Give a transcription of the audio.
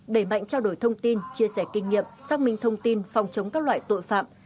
đẩy mạnh trao đổi thông tin chia sẻ kinh nghiệm xác minh thông tin phòng chống các loại tội phạm